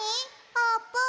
あーぷん。